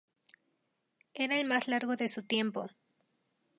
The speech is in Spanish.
Era el más largo en su tiempo.